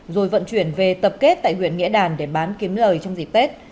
rồi vận chuyển về tập kết tại huyện nghĩa đàn để bán kiếm lời trong dịp tết